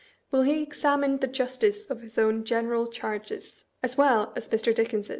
Will he " examine the justice " of his own " general charges, " as well as Mr. Dickens'